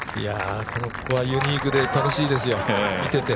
この子はユニークで楽しいですよ、見てて。